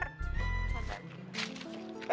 eh bang cukur tok